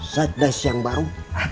satdes yang baru